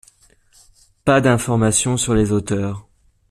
Pas d’informations sur les auteurs.